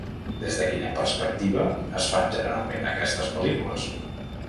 Des de quina perspectiva es fan generalment aquestes pel·lícules?